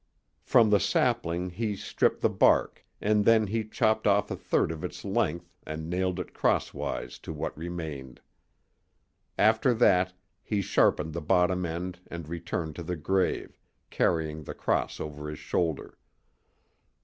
From the sapling he stripped the bark, and then he chopped off a third of its length and nailed it crosswise to what remained. After that he sharpened the bottom end and returned to the grave, carrying the cross over his shoulder.